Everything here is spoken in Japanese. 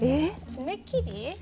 爪切り？